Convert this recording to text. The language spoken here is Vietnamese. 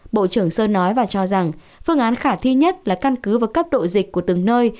bộ trưởng sơ nói và cho rằng phương án khả thi nhất là căn cứ vào cấp độ dịch của từng nơi